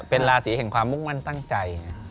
เป็นราศีแห่งความมุ่งมั่นตั้งใจ